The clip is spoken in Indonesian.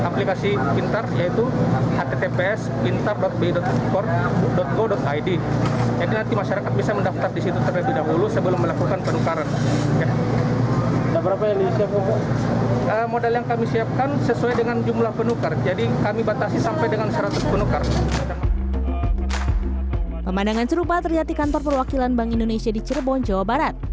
pemandangan serupa terjadi kantor perwakilan bank indonesia di cirebon jawa barat